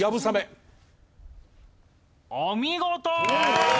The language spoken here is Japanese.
お見事！